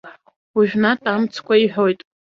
Уажәнатә амцқәа иҳәоит.